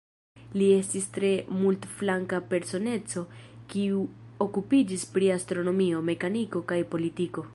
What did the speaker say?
Li estis tre multflanka personeco, kiu okupiĝis pri astronomio, mekaniko kaj politiko.